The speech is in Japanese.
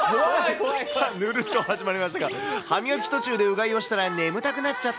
さあ、ぬるっと始まりましたが、歯磨き途中でうがいをしたら眠たくなっちゃった